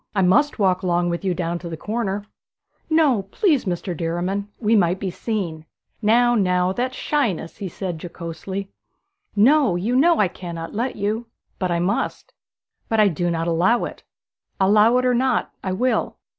I must walk along with you down to the corner.' 'No, please, Mr. Derriman; we might be seen.' 'Now, now that's shyness!' he said jocosely. 'No; you know I cannot let you.' 'But I must.' 'But I do not allow it.' 'Allow it or not, I will.'